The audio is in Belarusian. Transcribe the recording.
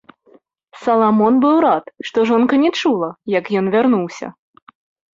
Саламон быў рад, што жонка не чула, як ён вярнуўся.